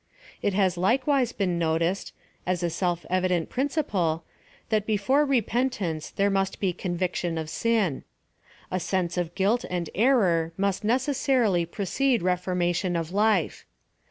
It has likewise been noticed, as a self evident princi ple, that before repentance there must be conviction of sin. A sense of guilt and error must necessa rily precede reformation of life.